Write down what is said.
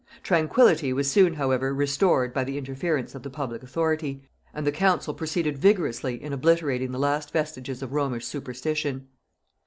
Tranquillity was soon however restored by the interference of the public authority, and the council proceeded vigorously in obliterating the last vestiges of Romish superstition.